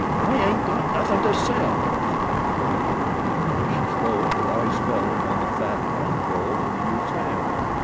"I ain't got nothin' to sell," snapped the woman; but as she spoke her eyes fell upon the fat bank roll in the youth's hand.